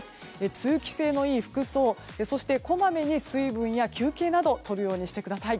通気性のいい服装そしてこまめに水分や休憩などをとるようにしてください。